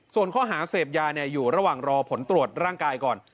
ส่วนข้อหาเสพยาอยู่ระหว่างรอผลตรวจร่างกายก่อน